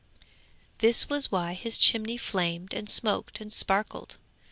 'This was why his chimney flamed and smoked and sparkled.